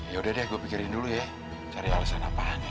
ya udah deh gue pikirin dulu ya cari alasan apaan ya